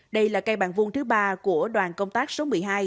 đây là cây bàn vuông thứ ba của đoàn công tác số một mươi hai